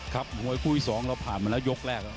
ครับหมวยคู่อีกสองเราผ่านมาแล้วยกแรก